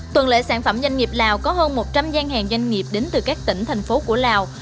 tuần lệ sản phẩm doanh nghiệp lào có hơn một trăm linh gian hàng doanh nghiệp đến từ các tỉnh thành phố của lào